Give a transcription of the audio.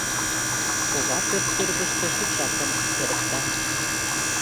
Кова пӧрт кӧргыштӧ шӱкшакым эрыкта.